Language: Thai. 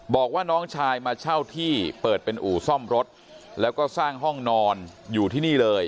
บอกว่าน้องชายมาเช่าที่เปิดเป็นอู่ซ่อมรถแล้วก็สร้างห้องนอนอยู่ที่นี่เลย